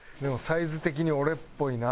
サイズ的に俺っぽいな」。